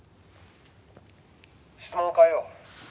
「質問を変えよう」